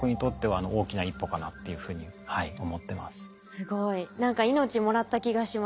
すごい。何か命もらった気がします。